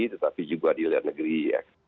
tetapi juga di luar negeri ya